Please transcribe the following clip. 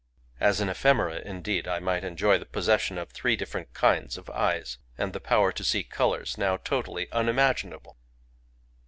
As an ephemera, indeed, I might enjoy the possession of three different kinds of eyes, and the power to see colours now totally unimaginable.